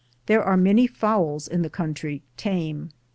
There are many fowls in the country, tame.